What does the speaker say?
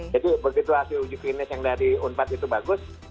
jadi begitu hasil uji klinis yang dari unpad itu bagus